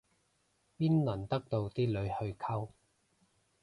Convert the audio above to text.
邊輪得到啲女去溝